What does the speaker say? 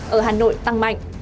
ở hà nội tăng mạnh